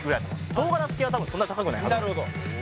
唐辛子系はそんな高くないはず